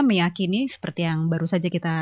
meyakini seperti yang baru saja kita